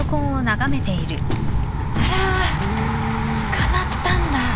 あら捕まったんだ。